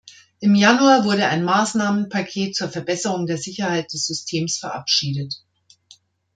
Im Januar wurde ein Maßnahmenpaket zur Verbesserung der Sicherheit des Systems verabschiedet.